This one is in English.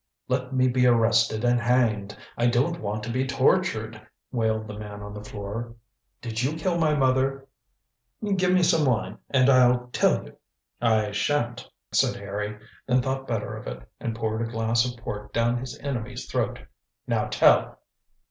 "Let me be arrested and hanged. I don't want to be tortured," wailed the man on the floor. "Did you kill my mother?" "Give me some wine and I'll tell you." "I shan't," said Harry; then thought better of it, and poured a glass of port down his enemy's throat. "Now tell!"